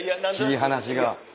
切り離しが。